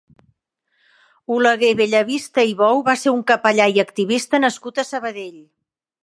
Oleguer Bellavista i Bou va ser un capellà i activista nascut a Sabadell.